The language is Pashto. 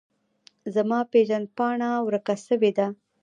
زما پیژند پاڼه ورکه سویده